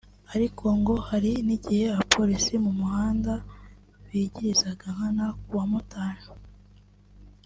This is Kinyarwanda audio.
ariko ngo hari n’igihe abapolisi mu muhanda bigirizaga nkana ku bamotari